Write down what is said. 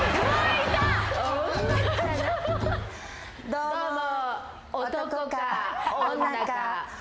どうも。